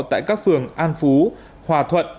tại các phường an phú hòa thuận